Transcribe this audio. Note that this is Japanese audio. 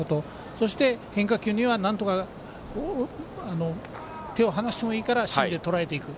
そして、変化球にはなんとか手を離してもいいから芯でとらえていく。